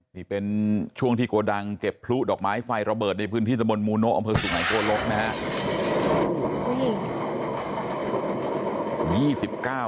นี่เป็นช่วงที่โกดังเก็บพลุดอกไม้ไฟระเบิดในพื้นที่ตะบนมูโนะอำเภอสุหายโกลกนะฮะ